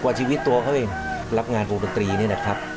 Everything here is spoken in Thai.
กว่าชีวิตตัวเขาไปรับงานบุคตรีนี่นะครับ